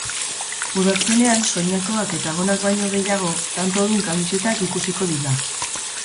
Udazkenean soinekoak eta gonak baino gehiago, tantodun kamisetak ikusiko dira.